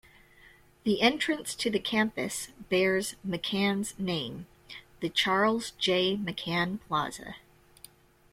The entrance to the campus bears McCann's name, the Charles J. McCann plaza.